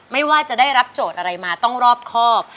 ไม่ว่าจะได้รับโจทย์อะไรมาต้องรอบครอบ